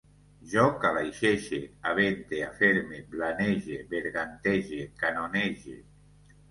Jo calaixege, avente, aferme, blanege, bergantege, canonege